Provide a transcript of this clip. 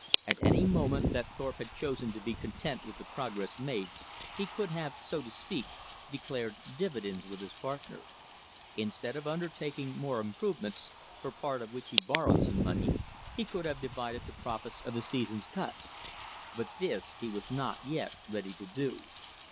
At any moment that Thorpe had chosen to be content with the progress made, he could have, so to speak, declared dividends with his partner. Instead of undertaking more improvements, for part of which he borrowed some money, he could have divided the profits of the season's cut. But this he was not yet ready to do.